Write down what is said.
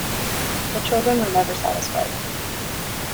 The children were never satisfied.